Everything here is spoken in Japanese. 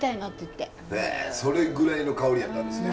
それぐらいの香りやったんですね。